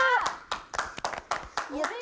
やった。